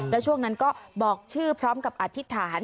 แล้วช่วงนั้นก็บอกชื่อพร้อมกับอธิษฐาน